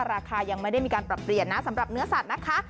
ราคายังไม่ได้มีการปรับเปลี่ยนนะสำหรับเนื้อสัตว์นะคะ